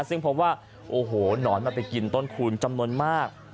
ซึ่งพบว่าโอ้โหหนอนมันไปกินต้นคูณจำนวนมาก